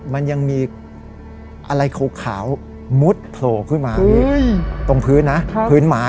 มันยังมีอะไรขาวขาวมุดโผล่ขึ้นมาอุ้ยตรงพื้นน่ะครับพื้นไม้อ่ะ